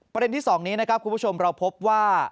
ประเด็นที่๒นี้นะครับคุณผู้ชมเราพบว่า